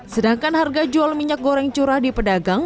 sedangkan harga jual minyak goreng curah di pedagang